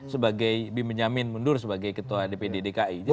sebagai bimbenyamin mundur sebagai ketua dpd dki